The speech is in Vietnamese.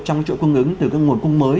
trong cái chỗ cung ứng từ các nguồn cung mới